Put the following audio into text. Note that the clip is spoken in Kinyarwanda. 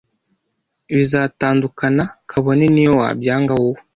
Bizatandukana kabone niyo wabyanga wowe.